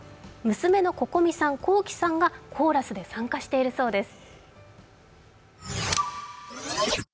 娘のＣｏｃｏｍｉさん、ｋｏｋｉ，さんがコーラスで参加しているそうです。